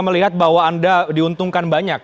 melihat bahwa anda diuntungkan banyak